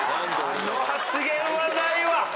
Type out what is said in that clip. あの発言はないわ。